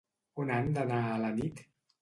On han d'anar a la nit?